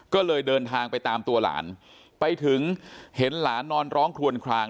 ก็เลยเดินทางไปตามตัวหลานไปถึงเห็นหลานนอนร้องคลวนคลาง